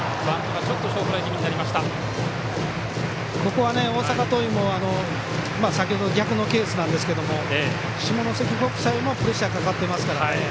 ここは大阪桐蔭も先ほど逆のケースなんですけど下関国際もプレッシャーかかってますからね。